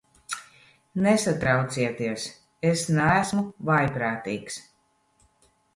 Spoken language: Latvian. Nesatraucieties, es neesmu vājprātīgs.